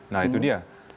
nah itu dia